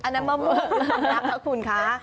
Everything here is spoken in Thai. อันนั้นไม่มีคุณรักครับคุณคะ